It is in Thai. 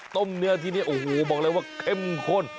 เนื้อที่นี่โอ้โหบอกเลยว่าเข้มข้น